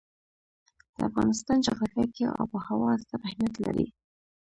د افغانستان جغرافیه کې آب وهوا ستر اهمیت لري.